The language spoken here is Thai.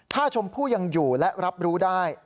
ถ้าชมพู่ยังอยู่และรับรู้ได้